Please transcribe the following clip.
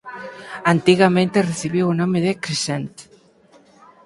Antigamente recibiu o nome de "Crescent".